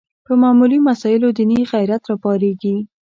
په معمولي مسایلو دیني غیرت راپارېږي